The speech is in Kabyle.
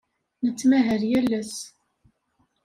Nettmahal yal ass.